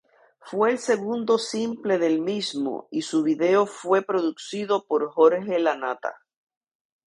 Fue el segundo simple del mismo, y su video fue producido por Jorge Lanata.